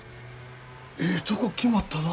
ええとこ決まったな。